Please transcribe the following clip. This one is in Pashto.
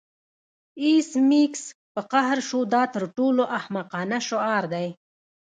ایس میکس په قهر شو دا تر ټولو احمقانه شعار دی